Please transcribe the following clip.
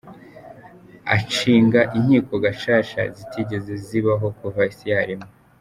Ashinga inkiko gacaca zitigeze zibaho kuva isi yaremwa.